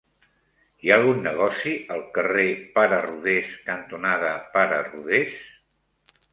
Hi ha algun negoci al carrer Pare Rodés cantonada Pare Rodés?